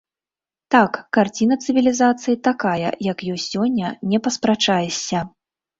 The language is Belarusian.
Так, карціна цывілізацыі такая, як ёсць сёння, не паспрачаешся.